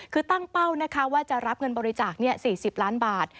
คือตั้งเป้านะคะว่าจะรับเงินบริจาค๔๐ล้านบาท